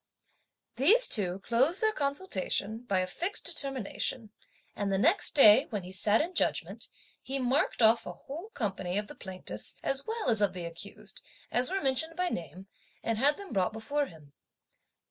These two closed their consultation by a fixed determination, and the next day, when he sat in judgment, he marked off a whole company of the plaintiffs as well as of the accused, as were mentioned by name, and had them brought before him.